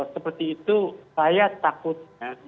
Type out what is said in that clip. seperti itu saya takut